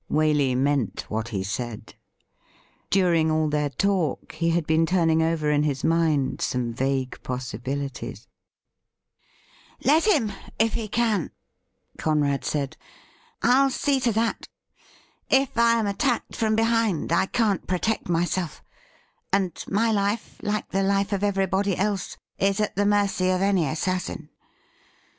Waley meant what he said. During all their talk he had been turning over in his mind some vague possibilities. 260 THE RroDLE RIN(i ' Let him, if he can,' Conrad said. ' I'll see to that ! If I am attacked from behind I can't protect myself, and my life, like the life of everybody else, is at the mercy of any assassin.